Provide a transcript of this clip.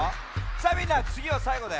さあみんなつぎはさいごだよ。